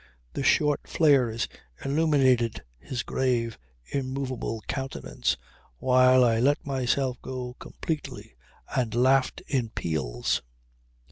The short flares illuminated his grave, immovable countenance while I let myself go completely and laughed in peals.